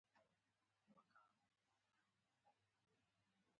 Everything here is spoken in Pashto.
د قشرونو تر منځ بدبینۍ پراخېږي